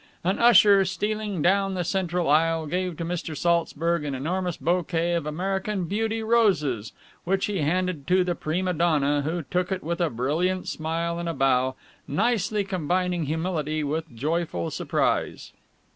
An usher, stealing down the central aisle, gave to Mr. Saltzburg an enormous bouquet of American Beauty roses, which he handed to the prima donna, who took it with a brilliant smile and a bow, nicely combining humility with joyful surprise.